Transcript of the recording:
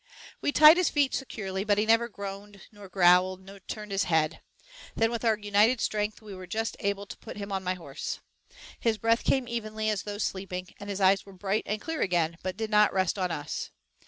We tied his feet securely, but he never groaned, nor growled, nor turned his head. Then with our united strength we were just able to put him on my horse. His breath came evenly as though sleeping, and his eyes were bright and clear again, but did not rest on us.